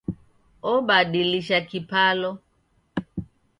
Obadilisha kipalo